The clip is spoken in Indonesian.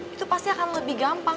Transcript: itu pasti akan lebih gampang